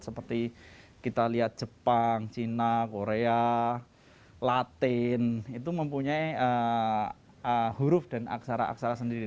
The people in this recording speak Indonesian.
seperti kita lihat jepang cina korea latin itu mempunyai huruf dan aksara aksara sendiri